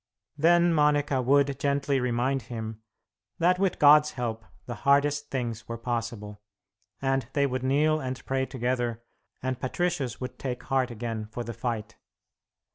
Then Monica would gently remind him that with God's help the hardest things were possible, and they would kneel and pray together, and Patricius would take heart again for the fight.